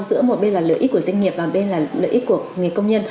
giữa một bên là lợi ích của doanh nghiệp và bên là lợi ích của người công nhân